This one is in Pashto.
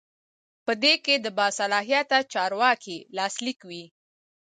په دې کې د باصلاحیته چارواکي لاسلیک وي.